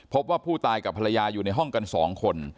พบว่าผู้ตายกับภรรยาอยู่ในห้องกัน๒คน